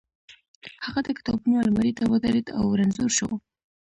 هغه د کتابونو المارۍ ته ودرېد او رنځور شو